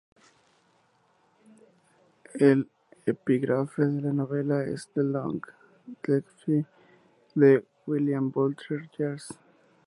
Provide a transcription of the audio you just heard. El epígrafe de la novela es "The Long-Legged Fly" de William Butler Yeats.